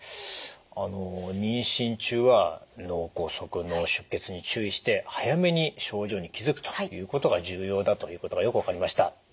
あの妊娠中は脳梗塞脳出血に注意して早めに症状に気付くということが重要だということがよく分かりました。